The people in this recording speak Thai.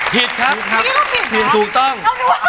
ผิดครับผิดถูกต้อง